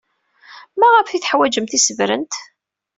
Maɣef ay teḥwajemt tisebrent?